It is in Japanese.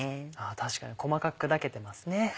確かに細かく砕けてますね。